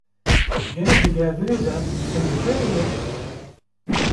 Gelo di gerdûnê de em bi tenê ne?